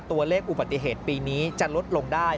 ตัวเลขอุบัติเหตุปีนี้จะลดลงได้